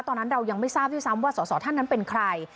ตอนนั้นเรายังไม่ทราบด้วยซ้ำว่าสอสอท่านนั้นเป็นใคร